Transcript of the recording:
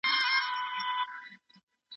ټولنپوهنه په بېلابېلو برخو ویشل سوې ده.